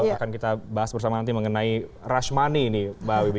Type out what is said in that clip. akan kita bahas bersama nanti mengenai rush money ini mbak wibi